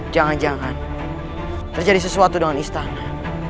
jangan jangan terjadi sesuatu dengan istana